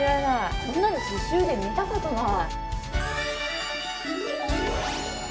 こんなの、刺しゅうで見たことない。